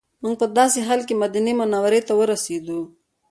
موږ په داسې مهال مدینې منورې ته ورسېدو.